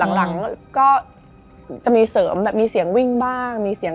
ครับเฮ้ยเดี๋ยวไปอ้วกด้วย